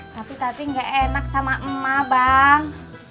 tapi tati gak enak sama emak bang